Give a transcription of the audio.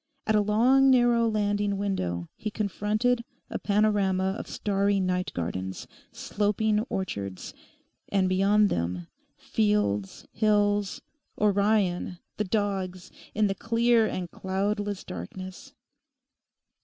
At a long, narrow landing window he confronted a panorama of starry night gardens, sloping orchards; and beyond them fields, hills, Orion, the Dogs, in the clear and cloudless darkness.